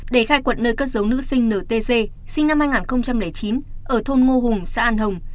để khai quật nơi cất giấu nữ sinh ntc sinh năm hai nghìn chín ở thôn ngô hùng xã an hồng